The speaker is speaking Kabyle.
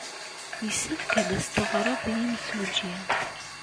Yessefk ad as-d-teɣreḍ i yemsujji.